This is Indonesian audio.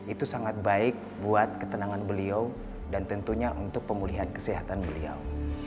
itu sangat baik buat ketenangan beliau dan tentunya untuk pemulihan kesehatan beliau